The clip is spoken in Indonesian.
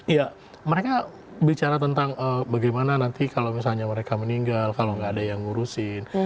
iya mereka bicara tentang bagaimana nanti kalau misalnya mereka meninggal kalau nggak ada yang ngurusin